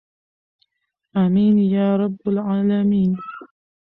امین یا رب العالمین.